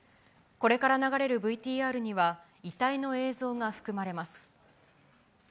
これから流れるＶＴＲには、遺体の映像が含まれます。